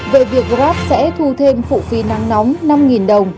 về việc grab sẽ thu thêm phụ phí nắng nóng năm đồng